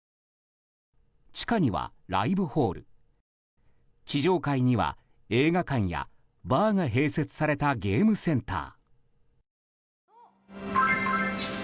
地下にはライブホール地上階には映画館や、バーが併設されたゲームセンター。